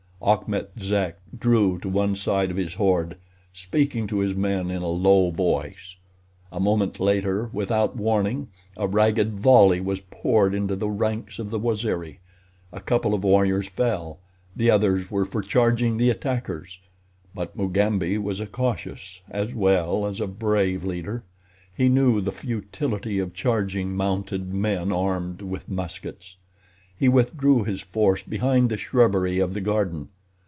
Achmet Zek drew to one side of his horde, speaking to his men in a low voice. A moment later, without warning, a ragged volley was poured into the ranks of the Waziri. A couple of warriors fell, the others were for charging the attackers; but Mugambi was a cautious as well as a brave leader. He knew the futility of charging mounted men armed with muskets. He withdrew his force behind the shrubbery of the garden.